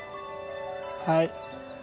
はい。